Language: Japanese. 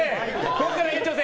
ここから延長戦！